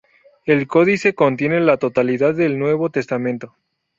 El códice contiene la totalidad del Nuevo Testamento.